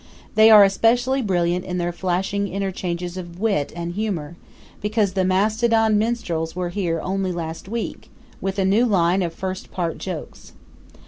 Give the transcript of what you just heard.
They are especially brilliant in their flashing interchanges of wit and humor, because the Mastodon Minstrels were here only last week, with a new line of first part jokes.